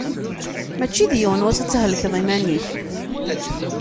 Mačči d yiwen wass ad thelkeḍ iman-ik.